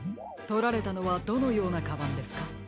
とられたのはどのようなカバンですか？